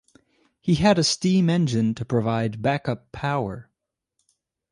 He had a steam engine to provide backup power.